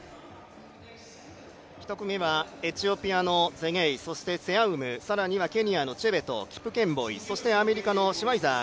１組目はエチオピアのツェガイセヤウム、ケニアのチェベトキプケンボイ、そしてアメリカのシュワイザー